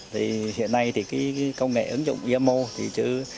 thì hiện nay thì cái công nghệ ứng dụng imo thì chứ